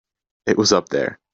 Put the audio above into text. It was up there.